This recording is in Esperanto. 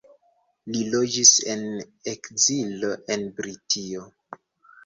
Li loĝis en ekzilo en Britio.